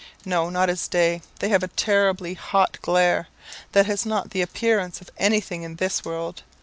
No, not as day they have a terribly hot glare, that has not the appearance of anything in this world.